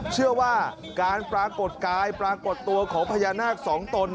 เชื่อว่าการปรากฏกายปรากฏตัวของพญานาคสองตน